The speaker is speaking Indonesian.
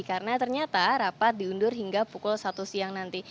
karena ternyata rapat diundur hingga pukul satu siang nanti